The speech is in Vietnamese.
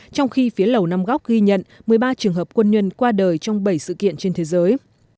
trong khi phía lầu năm góc ghi nhận một mươi ba trường hợp quân nhân qua đời trong bảy sự kiện trên thế giới